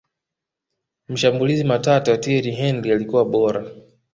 mshambulizi matata thiery henry alikuwa bora